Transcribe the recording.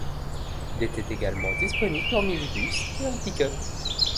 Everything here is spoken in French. Il était également disponible en minibus et en pick-up.